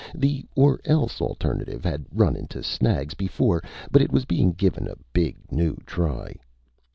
The or else alternative had run into snags, before, but it was being given a big new try.